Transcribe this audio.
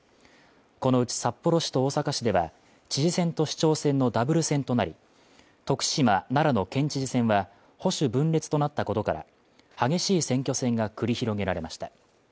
このうち札幌市と大阪市では知事選と市長選のダブル選となり徳島、奈良の県知事選は保守分裂となったことから、激しい選挙戦が繰り広げられました。